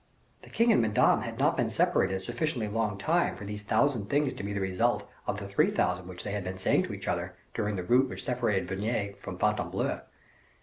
The king and Madame had not been separated a sufficiently long time for these thousand things to be the result of the three thousand which they had been saying to each other during the route which separated Vulaines from Fontainebleau.